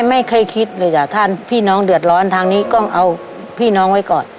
ไม่เคยคิดเลยจ้ะถ้าพี่น้องเดือดร้อนทางนี้ต้องเอาพี่น้องไว้ก่อน